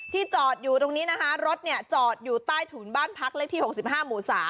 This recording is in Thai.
จอดอยู่ตรงนี้นะคะรถจอดอยู่ใต้ถุนบ้านพักเลขที่๖๕หมู่๓